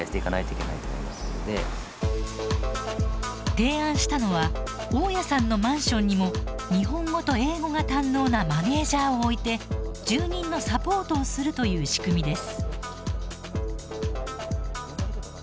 提案したのは大家さんのマンションにも日本語と英語が堪能なマネージャーを置いて住人のサポートをするという仕組みです。